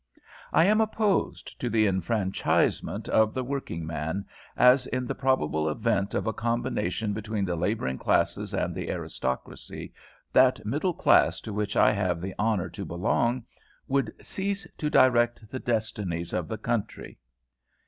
"I am opposed to the enfranchisement of the working man, as, in the probable event of a combination between the labouring classes and the aristocracy, that middle class to which I have the honour to belong would cease to direct the destinies of the country.